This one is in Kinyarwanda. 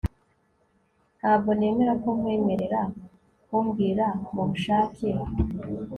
Ntabwo nemera ko nkwemerera kumbwira mubushake